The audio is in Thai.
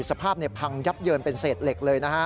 สภาพพังยับเยินเป็นเศษเหล็กเลยนะฮะ